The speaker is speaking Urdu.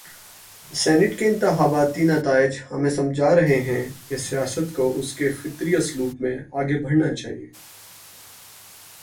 سینیٹ کے انتخاباتی نتائج ہمیں سمجھا رہے ہیں کہ سیاست کو اس کے فطری اسلوب میں آگے بڑھنا چاہیے۔